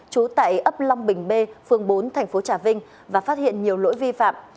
chú tại ấp long bình b phường bốn tp trà vinh và phát hiện nhiều lỗi vi phạm